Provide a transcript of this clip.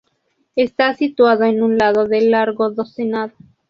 Está situado en un lado del Largo do Senado.